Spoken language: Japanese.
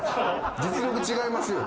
実力違いますよ。